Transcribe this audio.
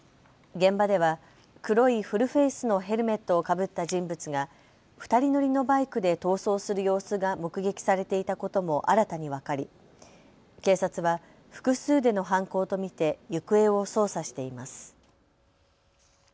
現場では黒いフルフェースのヘルメットをかぶった人物が２人乗りのバイクで逃走する様子が目撃されていたことも新たに分かり、警察は複数での犯行と見て行方を捜査しています。